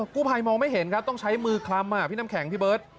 กู้ภัยมองไม่เห็นครับต้องใช้มือคลำพี่น้ำแข็งพี่เบิร์ต